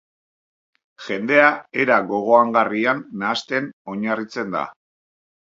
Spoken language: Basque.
Jendea era gogoangarrian nahasten oinarritzen da.